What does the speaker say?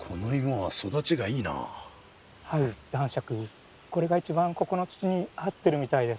はい男爵これが一番ここの土に合ってるみたいです。